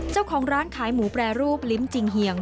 เจ้าของร้านขายหมูแปรรูปลิ้มจิงเหี่ยง